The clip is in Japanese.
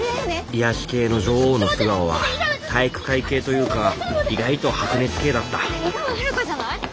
癒やし系の女王の素顔は体育会系というか意外と白熱系だった井川遥じゃない？